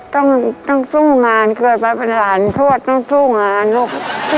ต้องสู้งานเกิดมาเป็นหลานทวดต้องสู้งานลูก